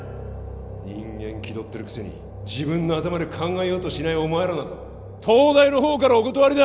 人間気取ってるくせに自分の頭で考えようとしないお前らなど東大の方からお断りだ！